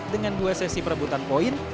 dengan dua sesi perebutan poin